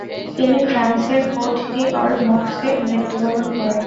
তিনি ফ্রান্সের Cote- d'Or মৌক্সে মৃত্যুবরণ করেন।